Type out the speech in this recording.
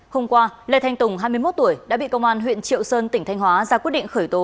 hôm qua lê thanh tùng hai mươi một tuổi đã bị công an huyện triệu sơn tỉnh thanh hóa ra quyết định khởi tố